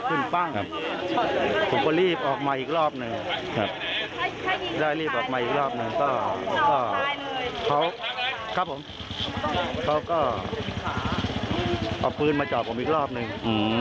เค้าก็ไม่ยอมวางเอาพื้นมาจอบผมอีกรอบหนึ่ง